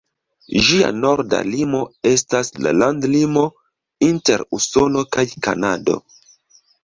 Ĝia norda limo estas la landlimo inter Usono kaj Kanado.